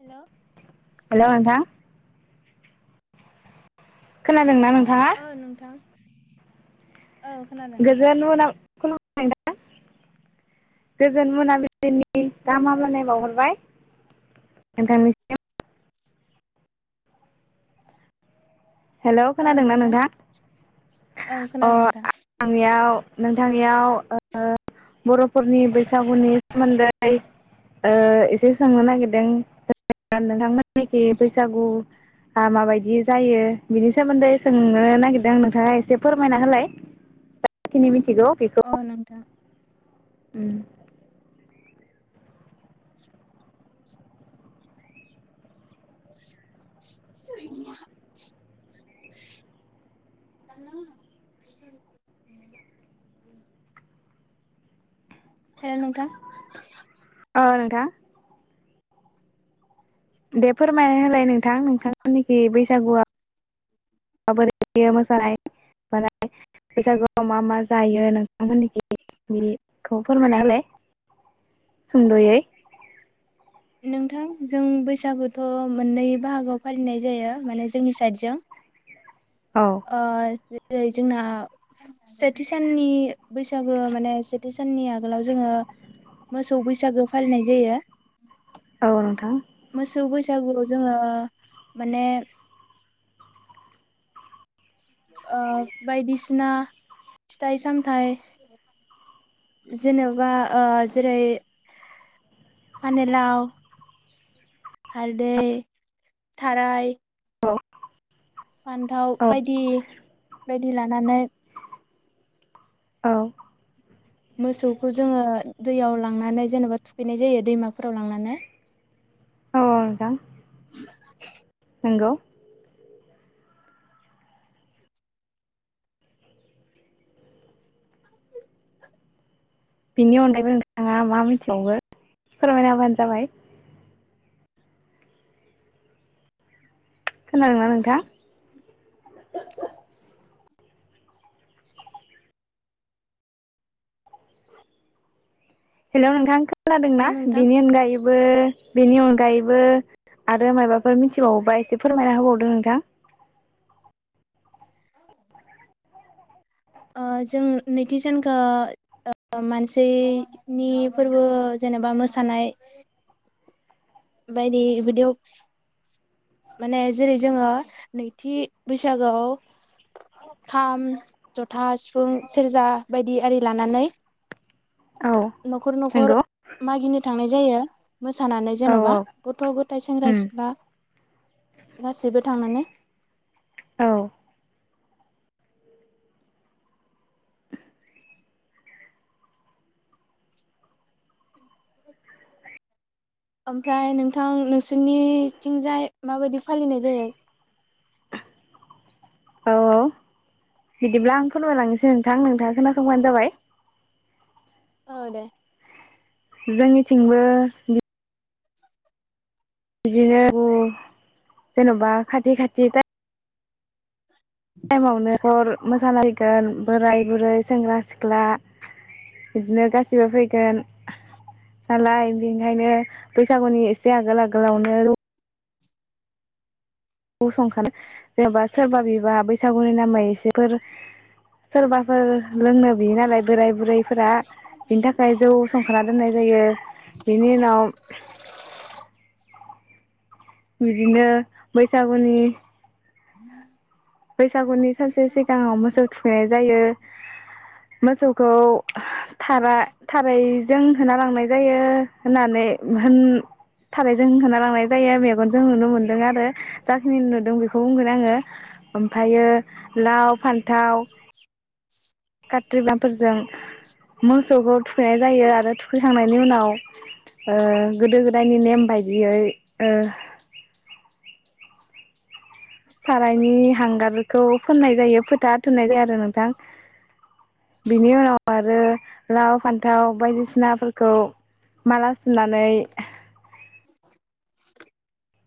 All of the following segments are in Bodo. हेलौ हेलौ नोंथां। खोनादोंना नों ओ नोथां। नोंथां गोजोन मोना खन [unintelligible] गोजोन मोनाबि लिनि गाहाम खुलुमबाय हामलायनाय बावहरबाय । नोंथांनिसिम। हेलौ खोनादोंना नोंथां औ अ खोनादों नोंथां आंनियाव नोंथांनियाव ओ‌ बर'फोरनि बैसागुनि सोमोन्दै ओ एसे सोंनो नागिरदों नोंथांमोननिखि बैसागुआ माबायदि जायो? बिनि सोमोन्दै सोंनो नागिरदों आं नोंथाङा एसे फोरमायना होलाय मिथिगौ बेखौ अ नोंथां उम। [unintelligible] [inaudible] हेल नोंथां। औ नोंथां। दे फोरमायना होलाय नोंथां नोंथांमोननिखि बैसागुआव माबोरैयो मोसानाय माने बैसागुआव मा मा जायो नोंथांमोननिखि बेखौ फोरमायना होलाय सुंदयै। नोंथां जों बैसागुथ मोननै बाहागोआव फालिनाय जायो माने जोंनि साइडजों। औ ओ। जेरै जोंना सेथि साननि बैसागो माने सेथि साननि आगोलाव जोङो मोसौ बैसागो फालिनाय जायो। औ नोंथां मोसौ बैसागु जोङो माने ओ बायदिसिना फिथाइ सामथाइ जेनेबा ओ जेरै फानेलाव हालदै, थाराय औ। फान्थाव औ बायदि बायदि लानानै औ मोसौखौ जोङो दैयाव लांनानै जेनेबा थुखैनाय जायो दैमाफोराव लांनानै। अ नोंथां नोंगौ। बिनि अनगायैबो नोंथाङा मा मिथिबावो फोरमायना हाबानो जाबाय। खोनादोंना नोंथां? हेलौ नोंथां खो दोंना हेलौ नोंथां बेनि अनगायैबो बेनि अनगायैबो आरो मायाबाफोर मिथिबावोबा एसे फोरमायना होबावदों नोंथां। ओ जों नैथि सानखो मानसिनि फोरबो जेनेबा मोसानाय बायदि बेदियाव माने जेरै जोङो नैथि बैसागआव खाम जथा सिफुं सेरजा बायदि आरि लानानै औ नखर नखर नंगौ मागिनो थांनाय जायो मोसानानै औ जेनबा औ गथ गथायाइ सेंग्रा उम सिख्ला गासिबो थांनानै औ ओमफ्राय नोंथां नोंसोरनिथिंजाय माबायदि फालिनाय जायो औ औ बिदिब्ला आं फोरनमायलांनोसै नोंथां नोंथाङा खोनासंबानो जाबाय औ दे जोंनिथिंबो बिदिनो जेनबा खाथि खाथि टाइमावनो हर मोसानायायगोन बोराय बुरै सेंग्रा सिख्ला बिदिनो गाससिबो फैगोन हम नालाय बेनिखायनो बैसागुनि एसे आगोल आगोलावनो गसंखानो जेनबा सोरबा बिबा बैसागुनि नामै एसेफोर सोरबाफोर लोंनो बियो नालाय बोराय बुरै फोरा बिनि थाखाय जौ संखाना दोननाय जायो बिनि उनाव बिदिनो बैसागुनि हम बैसागुनि सानसे सिगाङाव मोसौ थुखैनाय जायो मोसौखौ थारा थारैजों होना लांनाय जायो होननानै होन थारैजों होना लांनाय जायो मेगनजों नुनो मोनदों आरो जाखिनि नुदों बेखौ बुंगोन आङो ओमफायो लाव फान्थाव कात्रि बाफोरजों मोसौखौ थुखैनाय जायो आरो थुखैखांनायनि उनाव ओ गोदो गोदायनि नेम बायदियै ओ सारायनि हांगारखौ फोननाय जायो फोथा थुननाय जाया आरो नोंथां बिनि उनाव आरो लाव फान्थाव बायदिसिनाफोरखौ माला सुनानै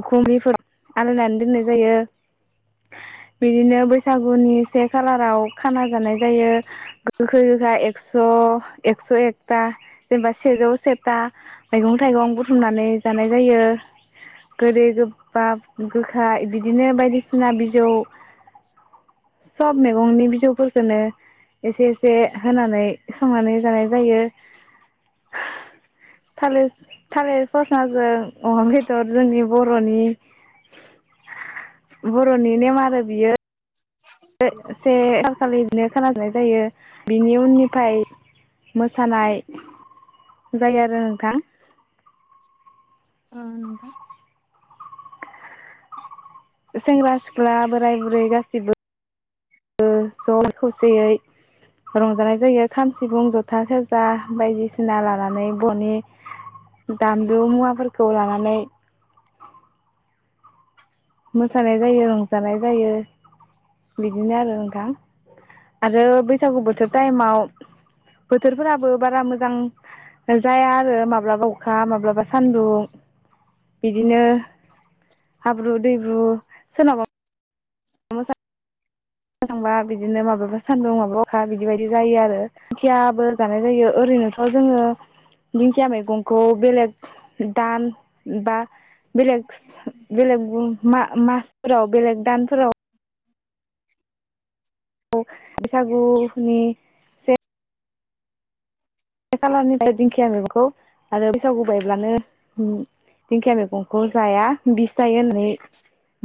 उखुमैफोराव आलायनानै दोननाय जायो बिदिनो बैसागुनि से खालाराव खाना जानाय जायो गोखै गोखा एक्स एक्स एकथा जेनेबा सेजौ सेथा मैगं थाइगं बुथुमनानै जानाय जायो गोदै गोबाब गोखा बिदिनो बायदिसिना बिजौ [inaudible] सब मैगंनि बिजौफोरखौनो एसे एसे होनानै संनानै जानाय जायो थालिर थालिर फरसाजों अमा बेद जोंनि बर'नि बर'नि नेम आरो बियो। सै से सानखालि - - नो खाना‌ जानाय जायो बिनि उननिफाय मोसानाय जायो आरो नोंथां। ओ नोंथां। सेंग्रा सिख्ला बोराय बुरै गासिबो ओ ज खौसेयै रंजानाय जायो खाम सिफुं जथा सेरजा बायदिसिना लानानै बनि दामलु मुवाफोरखौ लानानै मोसानाय जायो, रंजानाय जायो। बिदिनो आरो नोंथां। आरो बैसागु बोथोर टाइमाव बोथोरफोराबो बारा मोजां जाया आरो माब्लाबा अखा माब्लाबा सान्दुं बिदिनो हाब ब्रु दैब्रु सोरनाबा मोसा थांबा बिदिनो माबाब्ला सान्दुं माबाब्ला अखा बिदि बायदि जायो आरो खियाबो जानाय जायो ओरैनोथ जोङो दिंखिया मैगंखौ बेलेग दान बा बेलेग बेलेग मासफोराव बेलेग दानफोराव [unintelligible] बैसागुनि से बे खालारनिफ्राय दिंखिया मैगंखौ आरो बैसागु बायब्लानो उम दिंखिया मैगंखौ जाया बिस जायो होननानै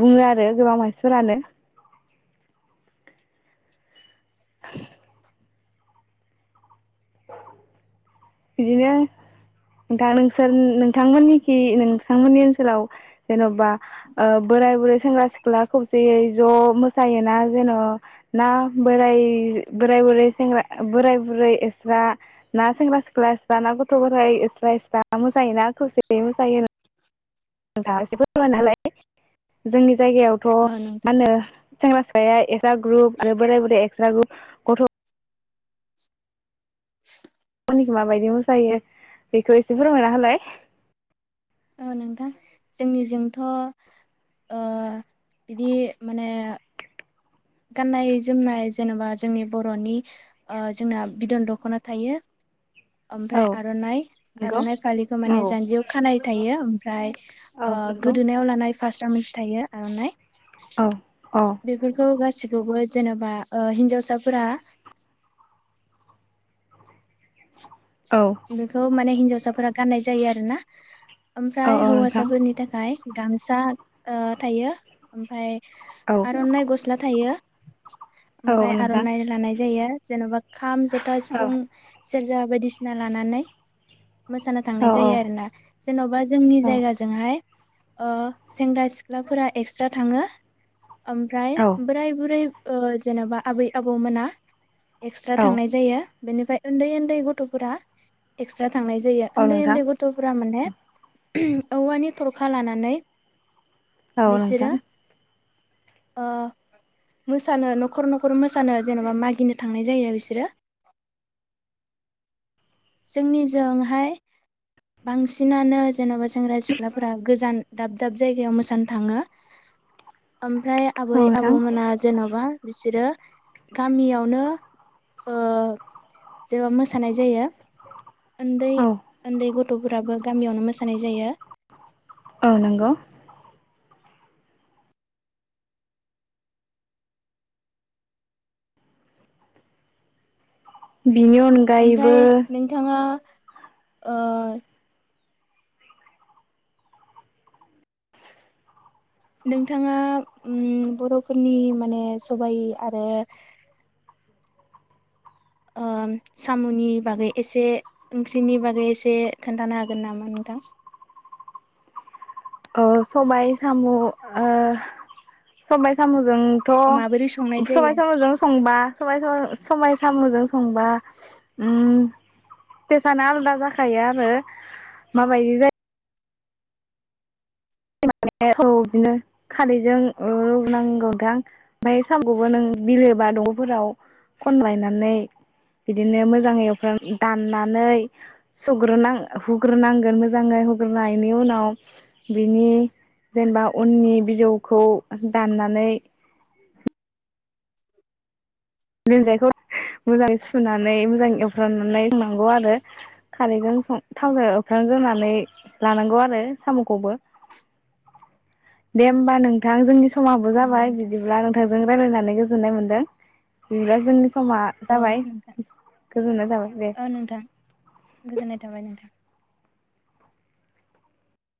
बुङो आरो गोबां मानसिफोरानो। बिदिनो नोंथां नोंसोर नोंथांमोननिखि नोंथांमोननि ओनसोलाव जेनबा ओ बोराय बुरै सेंग्रा सिख्ला खौजोयै ज मोसायोना जेन' ना बोराय बोराय बुरै सेंग्रा ए बोराय बुरै एस्रा ना सेंग्रा सिख क्स जाना गथफोर एस्रा एस्रा। मोसायोना खौसेयै मोसायो। नोंथाङा एसे फोरमायना होलाय [unintelligible] जोंनि जायगायावथ औ मा नोंथां होनो सेंग्रा सिखाया एस स्रा ग्रुप आरो बोराय बोरिय एक्स जागु गथ [unintelligible] माबायदि मोसायो बेखौ एसे फोरमायना होलाय ओ नोंथां जोंनिजोंथ ओ बिदि माने गाननाय जोमनाय जेनेबा जोंनि बरनि ओ जोंना बिदन दखना थायो ओमफ्राय औ आरनाइ नंगौ आरनाइ फालिखौ माने औ जान्जियाव खानाय थायो ओमफ्राय ओ औ नंगौ गोदोनायाव लानाय फा स्रा मोनसे थायो आरनाइ औ औ बेफोरखौ गासि खौबो जेनबा ओ हिन्जावसाफोरा [unintelligible] औ खौ माने हिनजाव साफोरा गाननाय जायो आरो ना औ ओमफ्राय औ नोंथां हौवासाफोरनि थाखाय गामसा ओ थायो ओमफाय औ आरनाइ गस्ला थायो [inaudible] औ ओमफाय नोंथां आरनाइ लानाय जायो जेनबा खाम जथा औ सिफुं सेरजा बायदिसि ना लानानै मोसानो औ थांनाय जायो आरोना जेनबा जोंनि औ जायगाजोंहाय ओ सेंग्रा सिख्लाफोरा एक्स्रा थाङो ओमफ्राय औ बोराय बुरै ओ जेनबा आबै आबौमोना एक्सट्रा औ थांनाय जायो बेनिफ्राय उन्दै उन्दै गथ फोरा एक्सट्र थांनाय जायो औ उन्दै नोंथां उन्दै गथफोरा माने औवानि थरखा लानानै औ बिसोरो नोंथां मोसानो न'खर न'खर मोसानो जेनबा मागिनो थांनाय जायो बिसोरो जोंनिजोंहाय बांसिनानो जेनबा सेंग्रा सिख्लाफोरा गोजान दाब दाब जायगायाव मोसानो थाङो । ओमफ्राय औ आबै नोंथां आबौमोना जेनबा बिसोरो गामियावनो जेनबा मोसानाय जायो। ओन्दै औ ओन्दै गथ'फोराबो गामियावनो मोसानाय जायो। औ नंगौ बेनि अनगायैबो ओमफ्राय नोंथाङा ओ नोंथाङा उम बर'फोरनि माने सबायाइ आरो उम साम'नि बागै एसे ओंख्रिनि बागै एसे खोनन्थानो हागोन नामा नोंथां? अ सबाय सामु ओ सबाइ सामु माबोरै संनाय जोंथ' सबाय जायो? सामुजों संबा सबाय सामु सबाय सामुजों संबा उम तेसानो आलादा जाखायो आरो माबायदि जायो औ बिदिनो खारैजों रुनांगौथां ओमफाय सामुखौबो नों बिलो बा दगफोराव खनलायनानै बिदिनो मोजाङै दाननानै सुग्रोनांग हुग्रोनांगोन मोजाङै हुग्रोनायनि उनाव बिनि जेनेबा उननि बिजौखौ दाननानै लानजायखौ मोजाङै सुनानै मोजां एवफ्रामनानै [unintelligible] आरो खारैजों थावजों एवस्रांग्रनानै लानांगौ आरो सामखौबो दे होमबा नोंथां जोंनि समाबो औ जाबाय नोंथां बिदिब्ला नोंथांजों रायलायनानै गो होनाय मोनदों [unintelligible] जों समा औ जाबाय नोंथां गोजोननाय जाबाय औ नोंथां दे गोजोननाय थाबाय नोंथां।